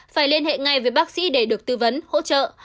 phải liên hệ ngay với bác sĩ để được tư vấn hỗ trợ